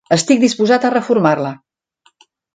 Estic disposat a reformar-la.